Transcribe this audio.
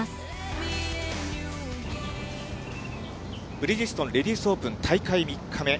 ブリヂストンレディスオープン大会３日目。